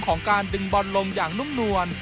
ของการดึงบอลลงอย่างนุ่มนวล